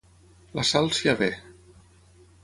La Sal s'hi avé.